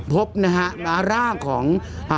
พบร่างของ